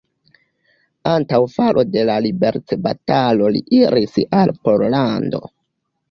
Antaŭ falo de la liberecbatalo li iris al Pollando.